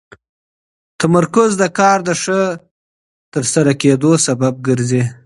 تمرکز د کار د ښه ترسره کېدو سبب ګرځي.